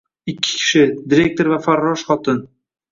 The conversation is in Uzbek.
Ikki kishi, direktor va farrosh xotin.